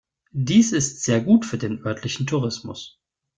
Dies ist sehr gut für den örtlichen Tourismus.